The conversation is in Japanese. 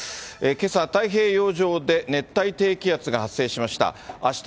けさ、太平洋上で熱帯低気圧が発生しました。